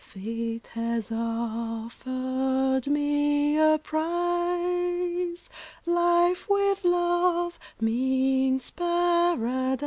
"Fate has offered me a prize, Life with love means Paradise.